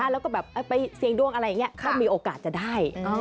แล้วก็แบบไปเสี่ยงดวงอะไรอย่างนี้ก็มีโอกาสจะได้